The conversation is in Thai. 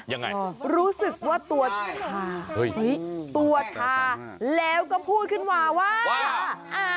ยังไงรู้สึกว่าตัวชาตัวชาแล้วก็พูดขึ้นมาว่า